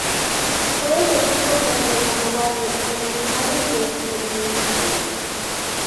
Fue efectivo contra la malaria en animales de experimentación.